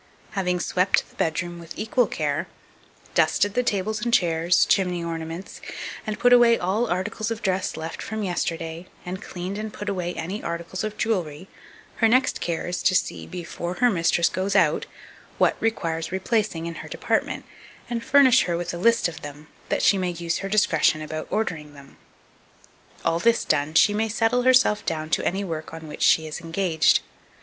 2262. Having swept the bedroom with equal care, dusted the tables and chairs, chimney ornaments, and put away all articles of dress left from yesterday, and cleaned and put away any articles of jewellery, her next care is to see, before her mistress goes out, what requires replacing in her department, and furnish her with a list of them, that she may use her discretion about ordering them. All this done, she may settle herself down to any work on which she is engaged.